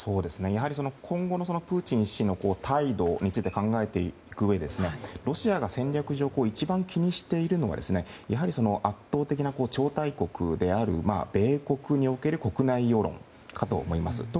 やはり今後のプーチン氏の態度について考えていくうえでロシアが戦略上一番気にしているのは圧倒的な超大国である米国における国内世論かと思います。